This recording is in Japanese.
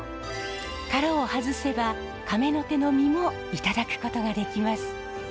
殻を外せばカメノテの身もいただくことができます。